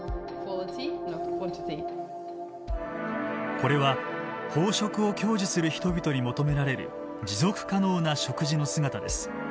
これは飽食を享受する人々に求められる持続可能な食事の姿です。